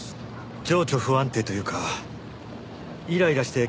情緒不安定というかイライラして急に怒鳴ったり。